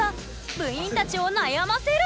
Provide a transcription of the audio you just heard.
部員たちを悩ませる！